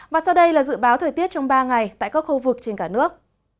và sau đây là dự báo thời tiết trong ba ngày tại các khu vực trên cả nước